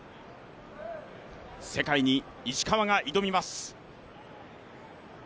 世界に石川が挑みます。